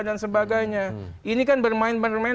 dan sebagainya ini kan bermain main